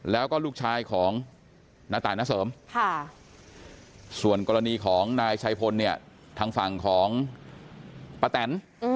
แล้วก็ลูกชายของณตายณเสริมส่วนกรณีของนายชัยพลเนี่ยทางฝั่งของป้าแตน